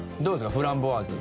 フランボワーズ。